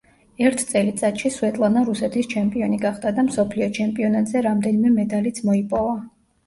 ერთ წელიწადში, სვეტლანა რუსეთის ჩემპიონი გახდა და მსოფლიო ჩემპიონატზე რამდენიმე მედალიც მოიპოვა.